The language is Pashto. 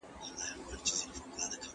تعلیمي ټکنالوژي څنګه د زده کړي سرعت لوړوي؟